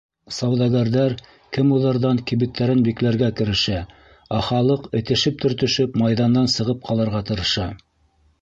Сауҙагәрҙәр кемуҙарҙан кибеттәрен бикләргә керешә, ә халыҡ этешеп-төртөшөп майҙандан сығып ҡалырға тырыша.